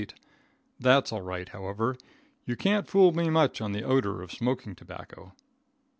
That's all right, however. You can't fool me much on the odor of smoking tobacco.